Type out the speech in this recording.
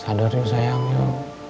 sadar ya sayang yuk